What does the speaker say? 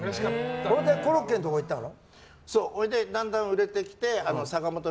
それでコロッケのところに行ったの。